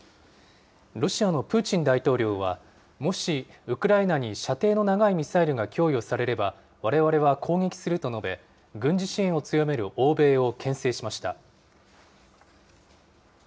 ロシアのプーチン大統領は、もし、ウクライナに射程の長いミサイルが供与されれば、われわれは攻撃すると述べ、軍事支援を強める欧米をけん制しました。